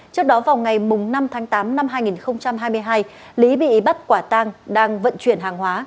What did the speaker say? trước đó vào ngày năm tháng tám năm hai nghìn hai mươi hai lý bị bắt quả tang đang vận chuyển hàng hóa